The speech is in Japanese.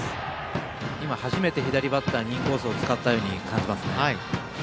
今初めて左バッターにインコースを使ったように感じますね。